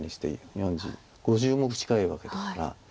４０５０目近いわけですから。